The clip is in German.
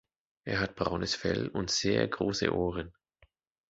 Er hat braunes Fell und sehr große Ohren.